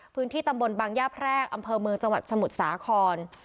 พื้นที่ตำบลบางย่าแพรกอำเภอเมืองจังหวัดสมุทรสาคร